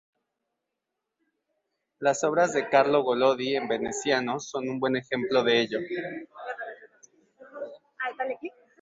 Las obras de Carlo Goldoni en veneciano son un buen ejemplo de ello.